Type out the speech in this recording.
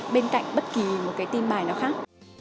bên cạnh bất kỳ một cái tin bài nó khác